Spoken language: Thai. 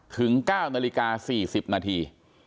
ถึง๙นาฬิกา๔๐นาที